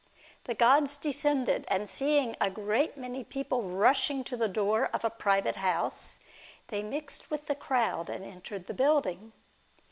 The gods descended, and seeing a great many people rushing to the door of a private house, they mixed with the crowd, and entered the building.